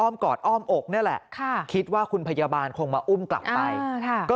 กอดอ้อมอกนี่แหละคิดว่าคุณพยาบาลคงมาอุ้มกลับไปก็